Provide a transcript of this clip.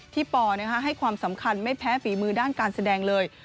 ปอให้ความสำคัญไม่แพ้ฝีมือด้านการแสดงเลย